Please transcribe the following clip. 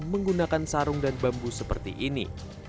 menggunakan sarung dan bambu seperti ini